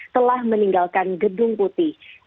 telah meninggalkan gedung putih